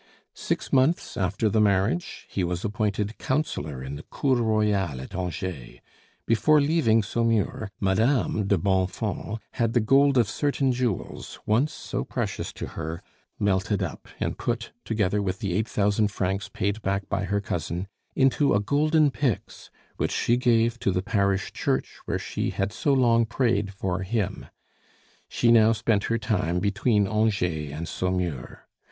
Six months after the marriage he was appointed councillor in the Cour royale at Angers. Before leaving Saumur Madame de Bonfons had the gold of certain jewels, once so precious to her, melted up, and put, together with the eight thousand francs paid back by her cousin, into a golden pyx, which she gave to the parish church where she had so long prayed for him. She now spent her time between Angers and Saumur.